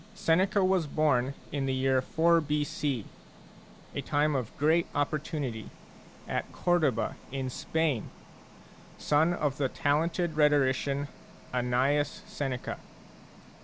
Seneca was born in the year 4 b.c, a time of great opportunity, at Corduba, in Spain, son of the talented rhetorician, Annaeus Seneca.